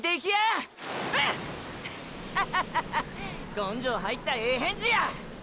根性入ったええ返事や！！